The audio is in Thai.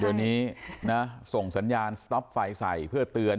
เดี๋ยวนี้นะส่งสัญญาณสต๊อปไฟใส่เพื่อเตือน